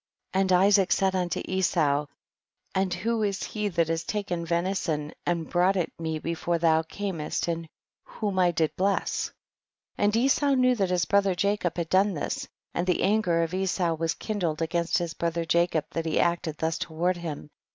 9. And Isaac said unto Esau, and who was he that has taken venison and brought it me before thou earnest and whom I did bless ? And Esau knew that his brother Jacob had done this, and the anger of Esau was kindled against his brother Jacob that he had acted thus toward him.